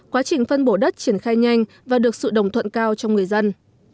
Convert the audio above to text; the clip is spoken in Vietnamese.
quá trình phân bổ đất triển khai nhanh và được sự đồng thuận cao trong người dân